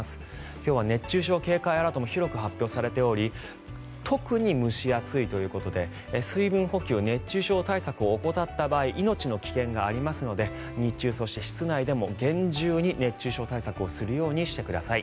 今日は熱中症警戒アラートも広く発表されており特に蒸し暑いということで水分補給、熱中症対策を怠った場合命の危険がありますので日中、そして室内でも厳重に熱中症対策をするようにしてください。